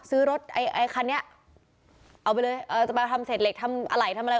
ซื้อรถไอ้ไอ้คันนี้เอาไปเลยเอ่อจะไปทำเศษเหล็กทำอะไรทำอะไร